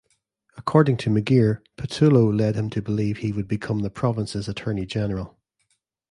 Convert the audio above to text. According to McGeer, Pattullo led him to believe he would become the province's Attorney-General.